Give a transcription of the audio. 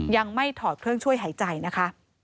ยังไม่ถอดเครื่องช่วยหายใจนะคะ